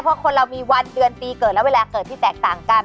เพราะคนเรามีวันเดือนปีเกิดและเวลาเกิดที่แตกต่างกัน